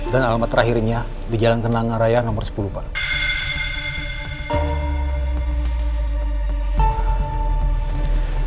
dan alamat terakhirnya di jalan kenangan raya nomor sepuluh pak